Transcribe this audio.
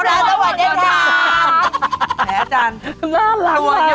แล้วอาจารย์โตย่ออาจารย์นี่นะน่้อแหลมมากนะคะ